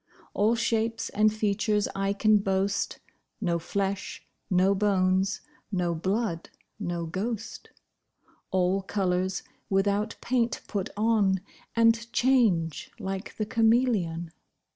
All shapes and features I can boast, No flesh, no bones, no blood no ghost: All colours, without paint, put on, And change like the cameleon.